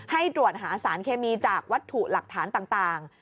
ให้ตรวจหาสารเคมีจากวัตถุหลักฐานต่าง